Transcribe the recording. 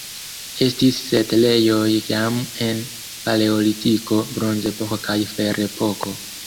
Estis setlejoj jam en Paleolitiko, Bronzepoko kaj Ferepoko.